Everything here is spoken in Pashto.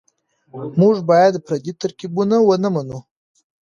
موږ بايد پردي ترکيبونه ونه منو.